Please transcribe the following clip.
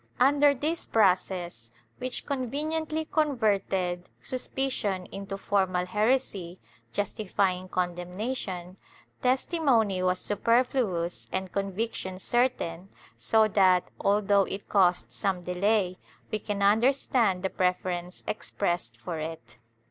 Under this process, which conveniently converted suspicion into formal heresy, justi fying condemnation, testimony was superfluous and conviction certain, so that, although it cost some delay, we can understand the preference expressed for it.